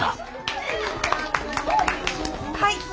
はい。